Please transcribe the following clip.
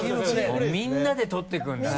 みんなで撮っていくんだね。